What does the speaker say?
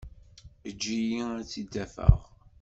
Eǧǧ-iyi ad tt-id-afeɣ.